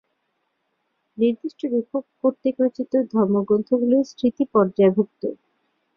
নির্দিষ্ট লেখক কর্তৃক রচিত ধর্মগ্রন্থগুলি ‘স্মৃতি’ পর্যায়ভুক্ত।